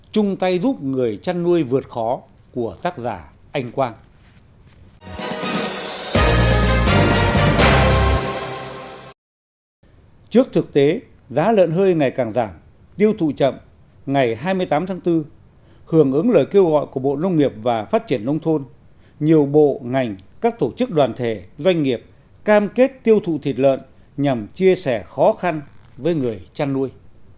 trung tay giúp người chăn nuôi vượt khỏi khó khăn này